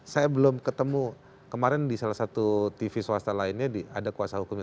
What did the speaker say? saya belum ketemu kemarin di salah satu tv swasta lainnya ada kuasa hukumnya